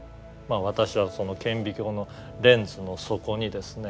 私はその顕微鏡のレンズの底にですね